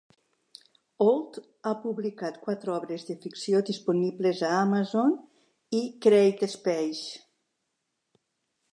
Ault ha publicat quatre obres de ficció disponibles a Amazon i CreateSpace.